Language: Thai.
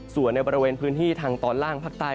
ส่วนในบริเวณพื้นที่ทางตอนล่างภาคใต้